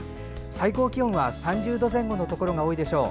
最高気温は３０度前後のところが多いでしょう。